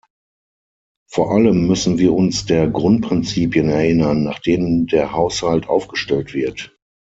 Vor allem müssen wir uns der Grundprinzipien erinnern, nach denen der Haushalt aufgestellt wird.